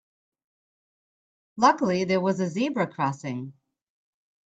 Luckily there was a zebra crossing.